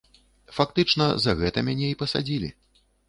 Фактычна, за гэта мяне і пасадзілі.